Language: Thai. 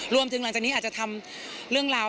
หลังจากนี้อาจจะทำเรื่องราว